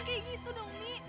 kayak gitu dong umi